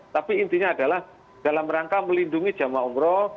tapi intinya adalah dalam rangka melindungi jemaah umroh